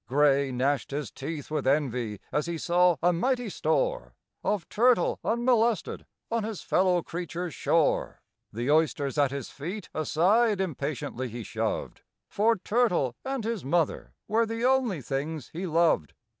GRAY gnashed his teeth with envy as he saw a mighty store Of turtle unmolested on his fellow creature's shore. The oysters at his feet aside impatiently he shoved, For turtle and his mother were the only things he loved.